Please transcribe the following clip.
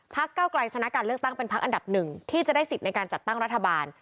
เก้าไกลชนะการเลือกตั้งเป็นพักอันดับหนึ่งที่จะได้สิทธิ์ในการจัดตั้งรัฐบาล